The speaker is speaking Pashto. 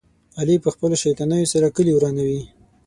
علي په خپلو شیطانیو سره کلي ورانوي.